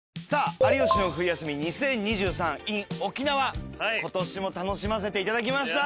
『有吉の冬休み２０２３ｉｎ沖縄』今年も楽しませていただきました。